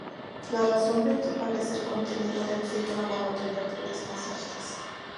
La razón principal es el contenido de oxígeno bajo temperaturas más altas.